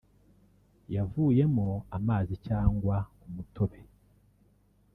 yavuyemo amazi cyangwa umutobe